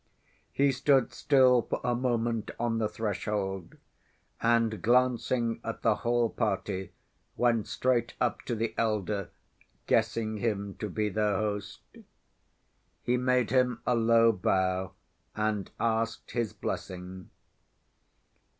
He stood still for a moment on the threshold, and glancing at the whole party went straight up to the elder, guessing him to be their host. He made him a low bow, and asked his blessing.